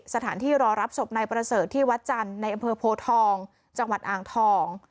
สถานที่รอรับศพนายประเสริฐที่วัดจันทร์ในอำเภอโพทองจังหวัดอ่างทอง